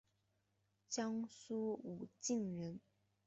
江苏武进人。